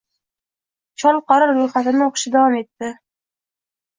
Chol Qora ro`yxatini o`qishda davom etdi